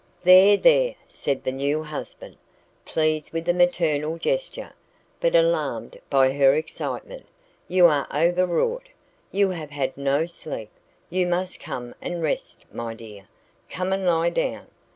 "There, there," said the new husband, pleased with the maternal gesture, but alarmed by her excitement, "you are overwrought. You have had no sleep. You must come and rest, my dear. Come and lie down.